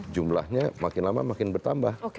jumlahnya makin lama makin bertambah